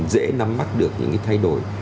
dễ nắm mắt được những cái thay đổi